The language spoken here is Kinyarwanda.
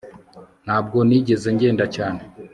Ntabwo nigeze ngenda cyane